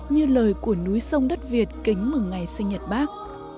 như lời của núi sông đất việt kính mừng ngày sinh nhật bác